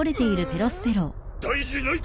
大事ないか！